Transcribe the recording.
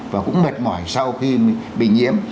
và cũng mệt mỏi sau khi bị nhiễm